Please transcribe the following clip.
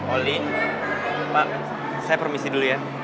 olin pak saya permisi dulu ya